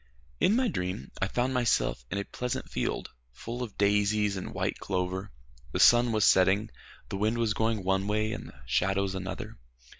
In my dream I found myself in a pleasant field full of daisies and white clover. The sun was setting. The wind was going one way, and the shadows another.